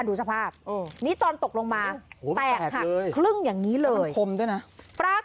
ดูสภาพนี่ตอนตกลงมา